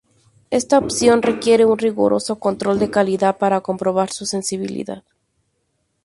Esta opción requiere un riguroso control de calidad para comprobar su sensibilidad.